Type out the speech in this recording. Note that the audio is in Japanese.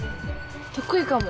得意かも。